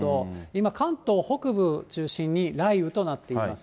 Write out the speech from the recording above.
今、関東北部中心に雷雨となっています。